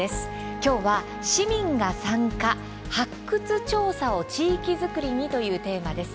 今日は「市民が参加発掘調査を地域づくりに」というテーマです。